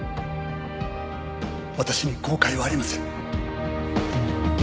私に後悔はありません。